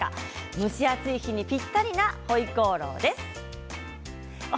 蒸し暑い日にぴったりなホイコーローです。